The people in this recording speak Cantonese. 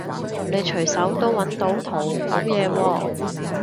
你隨手都搵到圖好嘢喎